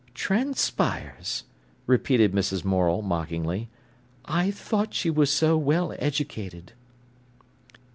"'Transpires!'" repeated Mrs. Morel mockingly. "I thought she was so well educated!"